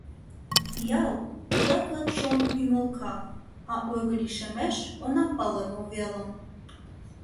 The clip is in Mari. Пиал — тудат лач чонын ӱмылка, а ойго лишемеш, она пале, мо велым.